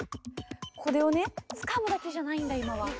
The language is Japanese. これをねつかむだけじゃないんだ今は。